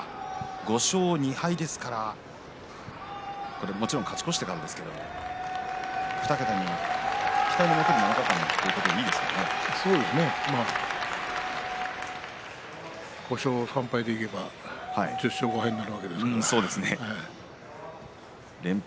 ５勝２敗ですからもちろん勝ち越してなんですけれども５勝３敗でいけば１０勝５敗になるわけですからね。